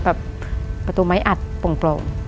ประตูไม้อัดโปร่ง